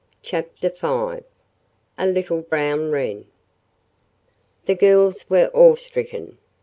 CHAPTER V A LITTLE BROWN WREN The girls were awestricken.